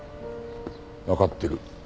わかってる。